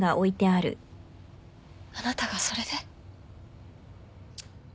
あなたがそれで？